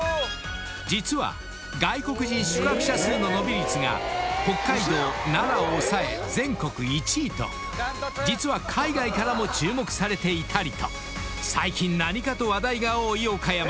［実は外国人宿泊者数の伸び率が北海道奈良を抑え全国１位と実は海外からも注目されていたりと最近何かと話題が多い岡山県］